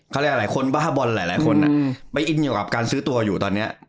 ค่ะแหละหลายคนบ้าบอลหลายคนอ่ะอืมไปอินอยู่กับการซื้อตัวอยู่ตอนเนี้ย